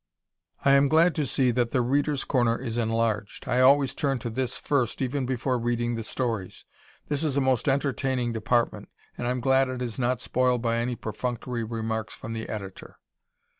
Am glad to see that "The Readers' Corner" is enlarged. I always turn to this first, even before reading the stories. This is a most entertaining department, and I'm glad it is not spoiled by any perfunctory remarks from the editor.